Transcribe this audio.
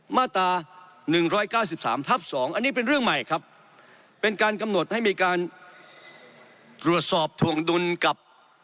มาตรา๑๙๓ทับ๒อันนี้เป็นเรื่องใหม่ครับเป็นการกำหนดให้มีการตรวจสอบถวงดุลกับ